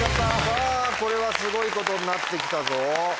さぁこれはすごいことになってきたぞ。